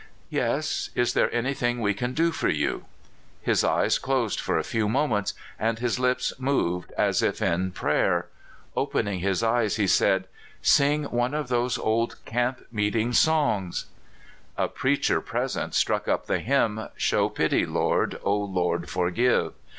''Yes; is there anything we can do for you ?" His eyes closed for a few moments, and his lips moved as if in prayer. Opening his eyes, he said: '' Sing one of those old camp meeting songs." A preacher present struck up the hymn, *' Show pity, Lord, O Lord forgive."